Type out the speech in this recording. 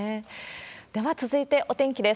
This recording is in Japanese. では続いてお天気です。